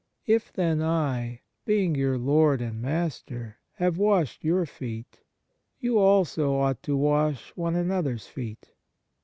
If then I, being your Lord and Master, have washed your feet, you also ought to wash one another s feet."